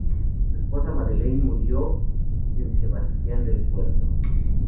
Su esposa Madeleine murió en Santisteban del Puerto.